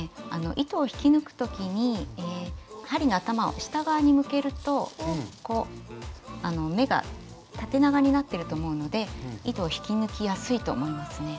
糸を引き抜く時に針の頭を下側に向けると目が縦長になってると思うので糸を引き抜きやすいと思いますね。